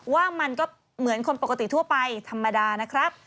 ว่ามันก็เหมือนคนปกติทั่วไปธรรมดานะครับ